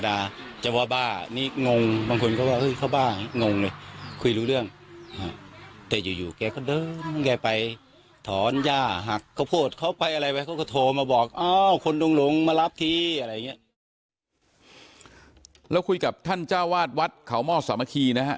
อะไรอย่างเงี้ยแล้วคุยกับท่านเจ้าวาดวัดเขาหม้อสมาคีนะฮะ